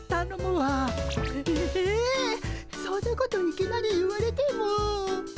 そんなこといきなり言われても。